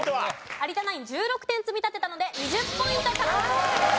有田ナイン１６点積み立てたので２０ポイント獲得です。